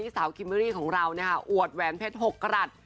สาวคิมเบอร์รี่ของเราอวดแหวนเพชร๖กรัฐ